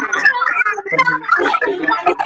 จะมาหาอีกรอบ